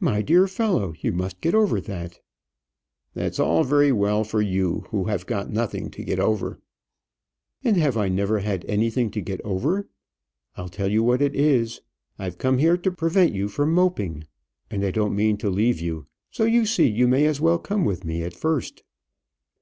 "My dear fellow, you must get over that." "That's all very well for you, who have got nothing to get over." "And have I never had anything to get over? I'll tell you what it is; I've come here to prevent you from moping, and I don't mean to leave you. So, you see, you may as well come with me at first."